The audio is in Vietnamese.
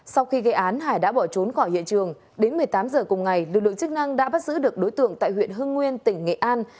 sau khi gây án hải đã bỏ trốn khỏi hiện trường đến một mươi tám h cùng ngày lực lượng chức năng đã bắt giữ được đối tượng tại huyện hưng nguyên tỉnh nghệ an